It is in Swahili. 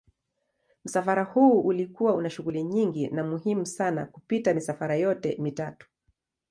Msafara huu ulikuwa una shughuli nyingi na muhimu sana kupita misafara yote mitatu.